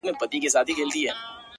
دا خو رښتيا خبره”